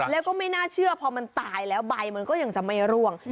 แล้วก็ไม่น่าเชื่อพอมันตายแล้วใบมันก็ยังจะไม่ร่วง